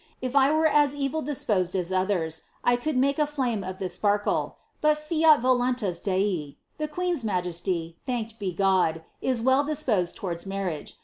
If I were as evil disposed as others, I could r.ace a flame of this sparkel ; but fiat voluntas Deif The queen s majesty, 'liuiked be God, is well disposed towards marriage.